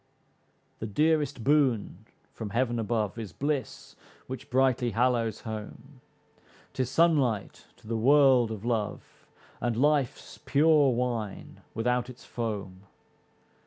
The dearest boon from Heaven above, Is bliss which brightly hallows home, 'Tis sunlight to the world of love, And life's pure wine without its foam.